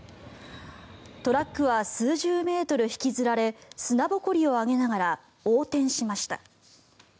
トラックは数十メートル引きずられ砂ぼこりを上げながら横転しました。